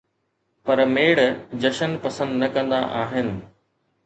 پر ميڙ جشن پسند نه ڪندا آھن